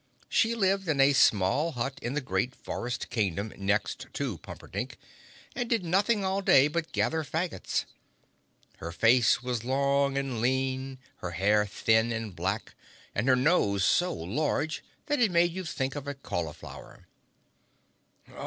She lived in a small hut in the great forest kingdom next to Pumperdink and did nothing all day but gather faggots. Her face was long and lean, her hair thin and black and her nose so large that it made you think of a cauliflower.